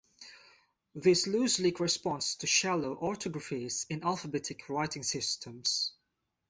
This loosely corresponds to "shallow" orthographies in alphabetic writing systems.